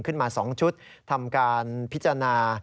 ขึ้นมา๒ชุดทำการพิจารณา